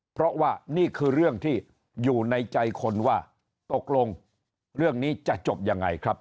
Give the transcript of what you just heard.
เพราะว่านี่คือเรื่องที่อยู่ในใจคนว่าตกลงเรื่องนี้จะจบยังไงครับ